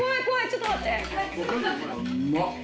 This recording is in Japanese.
ちょっと待って。